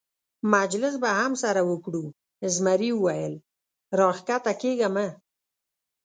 مجلس به هم سره وکړو، زمري وویل: را کښته کېږه مه.